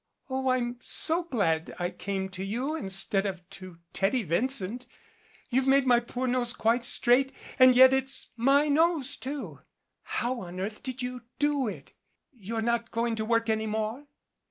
Oh, I'm so glad I came to you instead of to Teddy Vincent. You've made my poor nose quite straight and yet it's my nose, too. How on earth did you do it ? You're not going to work any more